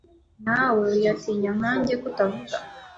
Nawe uyatinya nkanjya ko utavuga